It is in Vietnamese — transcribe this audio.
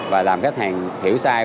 và làm khách hàng hiểu sai